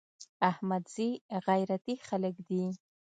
احمدزي غيرتي خلک دي.